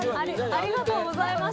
ありがとうございます。